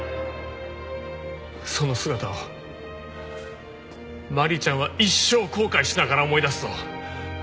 その姿を麻里ちゃんは一生後悔しながら思い出すぞ。